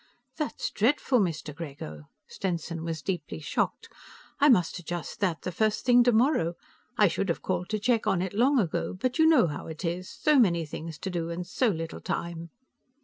"That's dreadful, Mr. Grego!" Stenson was deeply shocked. "I must adjust that the first thing tomorrow. I should have called to check on it long ago, but you know how it is. So many things to do, and so little time."